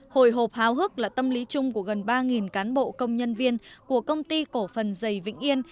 hồi hộp hào hức là tâm lý chung của gần ba cán bộ công nhân viên của công ty cổ phần dày vĩnh yên